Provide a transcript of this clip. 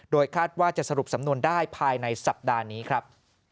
คาดว่าจะสรุปสำนวนได้ภายในสัปดาห์นี้ครับ